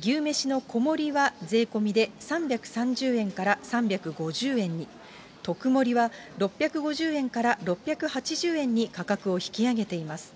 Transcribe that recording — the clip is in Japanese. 牛めしの小盛は税込みで３３０円から３５０円に、特盛は６５０円から６８０円に価格を引き上げています。